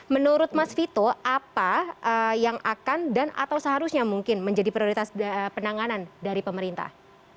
menurut mas vito apa yang akan dan atau seharusnya mungkin menjadi prioritas penanganan dari pemerintah